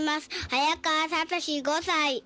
早川さとし５歳。